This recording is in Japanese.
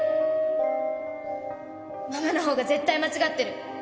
ママのほうが絶対間違ってる！